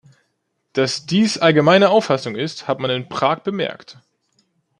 Dass dies allgemeine Auffassung ist, hat man in Prag bemerkt.